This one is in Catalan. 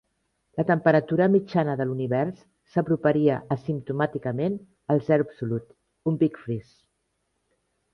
La temperatura mitjana de l'univers s'aproparia asimptomàticament al zero absolut, un Big Freeze.